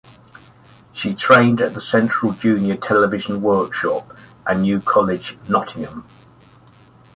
She trained at the Central Junior Television Workshop and New College, Nottingham.